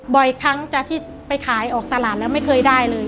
บ่อยครั้งจากที่ไปขายออกตลาดแล้วไม่เคยได้เลย